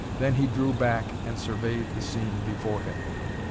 Then he drew back and surveyed the scene before him.